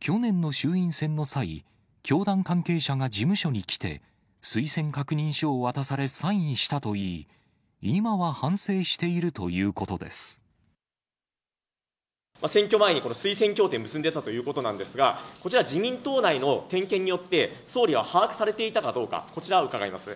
去年の衆院選の際、教団関係者が事務所に来て、推薦確認書を渡され、サインしたといい、選挙前にこの推薦協定を結んでたということなんですが、こちら、自民党内の点検によって、総理は把握されていたかどうか、こちら伺います。